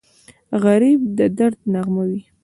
غریب د درد نغمه وي